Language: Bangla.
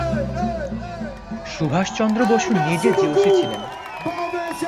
সুভাষচন্দ্র বসু নিজে জিওসি ছিলেন।